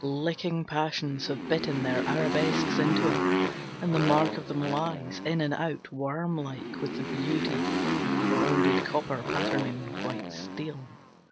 Licking passions have bitten their arabesques into it, And the mark of them lies, in and out, Worm like, With the beauty of corroded copper patterning white steel.